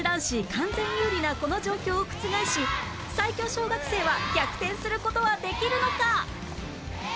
完全有利なこの状況を覆し最強小学生は逆転する事はできるのか！？